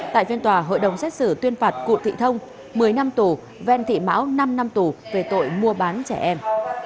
tại phiên tòa hội đồng xét xử tuyên phạt cụ thị thông một mươi năm tù ven thị mão năm năm tù về tội mua bán trẻ em